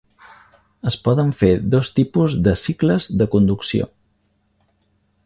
Es poden fer dos tipus de cicles de conducció.